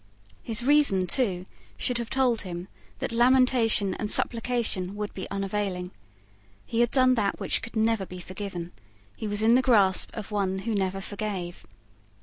His reason, too, should have told him that lamentation and supplication would be unavailing. He had done that which could never be forgiven. He was in the grasp of one who never forgave.